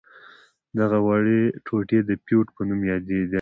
دغه وړې ټوټې د فیوډ په نامه یادیدلې.